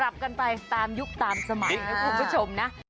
กลับไปตามยุคตามสมัยนะคุณผู้ชมนะ